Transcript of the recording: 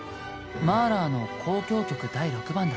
マーラーの「交響曲第６番」だね。